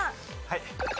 はい。